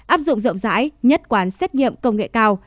áp dụng rộng rãi nhất quán xét nghiệm công nghệ cao